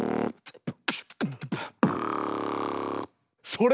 それ！